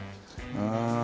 うん。